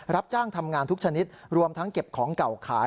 รับจ้างทำงานทุกชนิดรวมทั้งเก็บของเก่าขาย